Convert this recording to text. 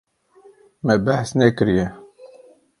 Me behs nekiriye.